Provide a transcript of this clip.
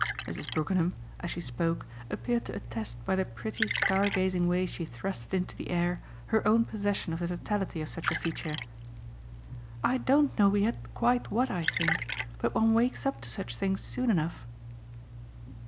Mrs. Brookenham as she spoke appeared to attest by the pretty star gazing way she thrust it into the air her own possession of the totality of such a feature. "I don't know yet quite what I think, but one wakes up to such things soon enough."